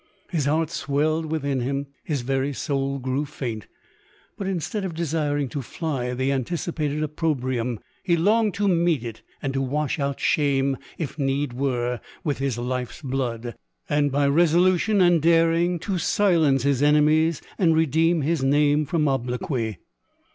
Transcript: His heart swelled within him — his very soul grew faint ; but instead of desiring to fly the anticipated opprobrium, he longed to meet it and to wash out shame, if need were, with his life's blood ; and, by resolution and daring, to silence his enemies, and redeem his name from obloquy.